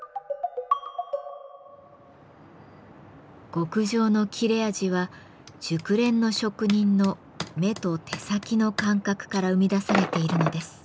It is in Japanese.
極上の切れ味は熟練の職人の目と手先の感覚から生み出されているのです。